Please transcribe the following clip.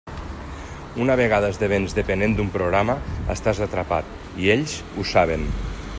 Una vegada esdevens dependent d'un programa, estàs atrapat i ells ho saben.